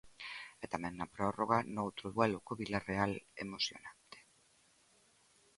E tamén na prórroga noutro duelo co Vilarreal emocionante.